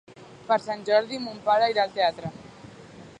Per Sant Jordi mon pare irà al teatre.